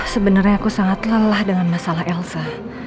sebenarnya aku sangat lelah dengan masalah elsa